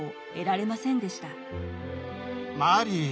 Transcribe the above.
マリー